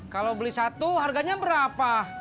kalau beli satu harganya berapa